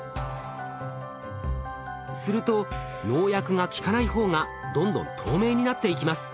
すると農薬が効かない方がどんどん透明になっていきます。